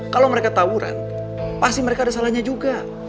kalau mereka tawuran pasti mereka ada salahnya juga